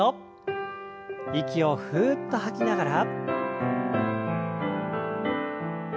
息をふっと吐きながら。